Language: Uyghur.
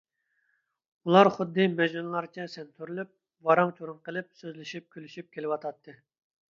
ئۇلار خۇددى مەجنۇنلارچە سەنتۈرۈلۈپ، ۋاراڭ - چۇرۇڭ قىلىپ سۆزلىشىپ - كۈلۈشۈپ كېلىۋاتاتتى.